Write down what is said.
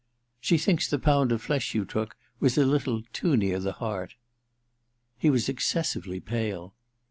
She thinks the pound of flesh you took was a little too near the heart/ He was excessively pale.